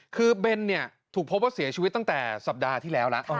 คือเบนเนี่ยถูกพบว่าเสียชีวิตตั้งแต่สัปดาห์ที่แล้วแล้ว